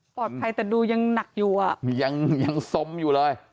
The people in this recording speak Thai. ปลอดภัยแต่ดูยังหนักอยู่อ่ะนี่ยังยังสมอยู่เลย